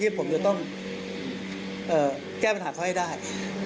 ผมจะต้องแก้ปัญหาเขาให้ได้